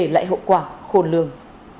lại hậu quả khôn lường